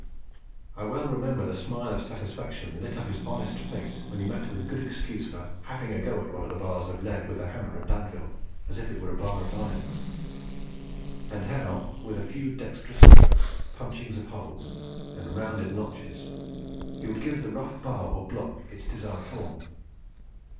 I well remember the smile of satisfaction that lit up his honest face when he met with a good excuse for 'having a go at' one of the bars of lead with hammer and anvil as if it were a bar of iron; and how, with a few dexterous strokes, punchings of holes, and rounded notches, he would give the rough bar or block its desired form.